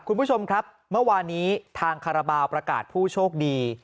คุณผู้ชมครับเมื่อวานี้ทางคาราบาลประกาศผู้โชคดี